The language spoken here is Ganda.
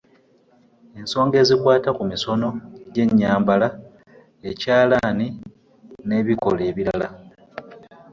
Ensonga ezikwata ku misono gy’ennyambala, ekyalaani n’ebikola ebirala.